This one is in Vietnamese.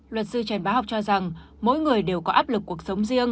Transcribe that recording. luật sư trần bá học cho rằng mỗi người đều có áp lực cuộc sống riêng